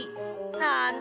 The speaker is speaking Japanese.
なんだ。